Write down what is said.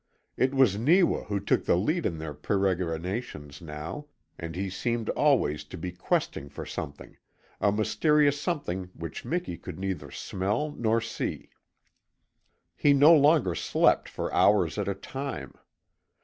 It was Neewa who took the lead in their peregrinations now, and he seemed always to be questing for something a mysterious something which Miki could neither smell nor see. He no longer slept for hours at a time.